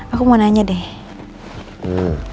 aku mau nanya deh